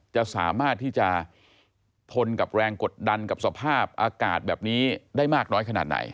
จะสามารถที่จะทนกับแรงกดดันกับสภาพอากาศแบบนี้ได้มากน้อยขนาดไหน